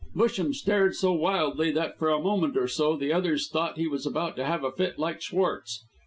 Busham stared so wildly that for a moment or so the others thought he was about to have a fit like Schwartz.